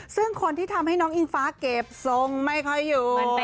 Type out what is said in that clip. ซึ่งคนที่ทำให้น้องอิงฟ้าเก็บทรงไม่ค่อยอยู่